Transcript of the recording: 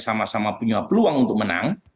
sama sama punya peluang untuk menang